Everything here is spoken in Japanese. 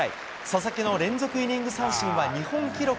佐々木の連続イニング三振は日本記録